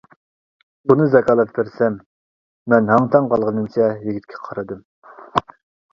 بۇنى زاكالەت بەرسەم. مەن ھاڭ-تاڭ قالغىنىمچە يىگىتكە قارىدىم.